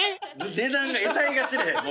値段がえたいが知れへん。